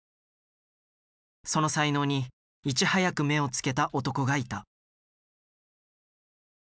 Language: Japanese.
その才能にいち早く目をつけた男がいた。